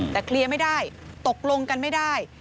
แต่เคลียร์ไม่ได้ตกลงกันไม่ได้